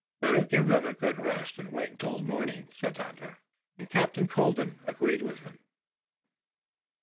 "Better give them all a good rest, and wait until the morning," said the hunter. Again Captain Colden agreed with him.